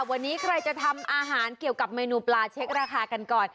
วันนี้ใครจะทำอาหารเกี่ยวกับเมนูปลาเช็คราคากันก่อน